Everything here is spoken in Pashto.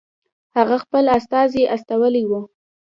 هغه خپل استازی استولی وو.